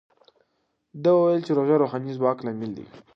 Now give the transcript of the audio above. ده وویل چې روژه د روحاني ځواک لامل دی.